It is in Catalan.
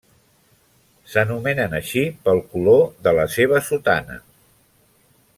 S'anomenen així pel color de la seva sotana.